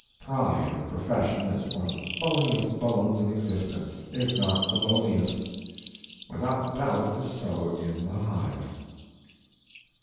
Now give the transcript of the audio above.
Pride of profession is one of the boniest bones in existence, if not the boniest. Without doubt it is so in the hive.